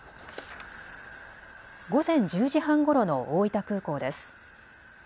午前１０時半ごろの大分空港です。